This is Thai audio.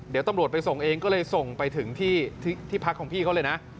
เดี๋ยวตำรวจไปส่งเองก็เลยส่งไปถึงที่พักของพี่เขาเลยนะ